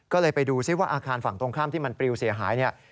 ก็เลยไปดูซิว่าอาคารฝั่งตรงข้ามที่มันปริวเสียหายเนี่ย